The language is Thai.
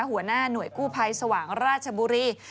หัวหน้าหน่วยกู้ภัยสว่างราชบุรี